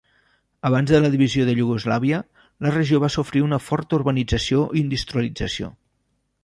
Abans de la divisió de Iugoslàvia, la regió va sofrir una forta urbanització i industrialització.